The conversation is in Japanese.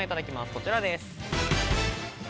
こちらです。